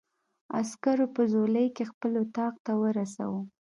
عسکرو په ځولۍ کې خپل اتاق ته ورساوه.